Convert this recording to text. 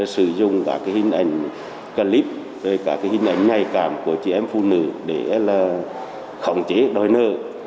sử dụng cả hình ảnh clip hình ảnh nhạy cảm của chị em phụ nữ để khổng chế đòi nợ